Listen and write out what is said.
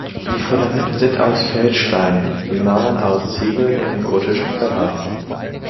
Die Fundamente sind aus Feldsteinen, die Mauern aus Ziegeln im gotischen Verband.